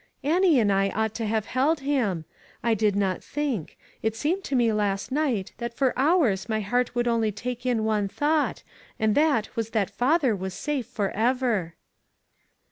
" An nie and I ought to have held him. I did not think. It seemed to me last night that for hours my heart would only take in one thought, and that was that father was safe forever."